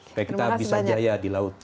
supaya kita bisa jaya di laut